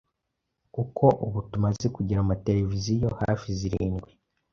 kuko ubu tumaze kugira amateleviziyo hafi zirindwi